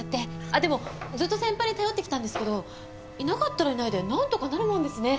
あっでもずっと先輩に頼ってきたんですけどいなかったらいないでなんとかなるもんですね。